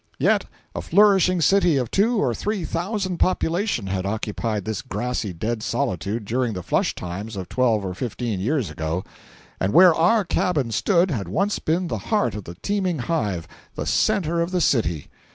Yet a flourishing city of two or three thousand population had occupied this grassy dead solitude during the flush times of twelve or fifteen years before, and where our cabin stood had once been the heart of the teeming hive, the centre of the city.